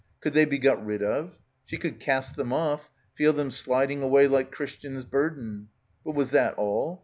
Could they be got rid of? She could cast them off, feel them sliding away like Christian's Burden. But was that all?